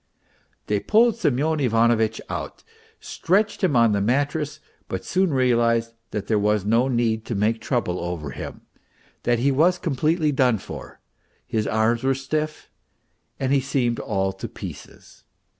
They pulled Semyon Ivanovitch out, stretched him on the mattress, but soon realized that there was no need to make trouble over him, that he was completely MR. PEOHARTCHIN 283 done for ; his arms were stiff, and he seemed all to pieces.